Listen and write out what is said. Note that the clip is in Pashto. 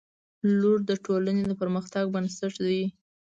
• لور د ټولنې د پرمختګ بنسټ ده.